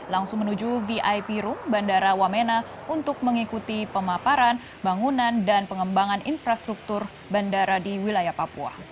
langsung menuju vip room bandara wamena untuk mengikuti pemaparan bangunan dan pengembangan infrastruktur bandara di wilayah papua